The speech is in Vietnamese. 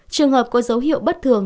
trường hợp có dấu hiệu bất thường